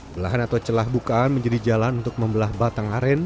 belahan atau celah bukaan menjadi jalan untuk membelah batang aren